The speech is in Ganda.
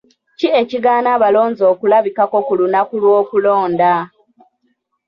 Ki ekigaana abalonzi obutalabikako ku lunaku lw'okulonda?